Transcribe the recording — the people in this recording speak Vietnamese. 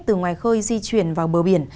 từ ngoài khơi di chuyển vào bờ biển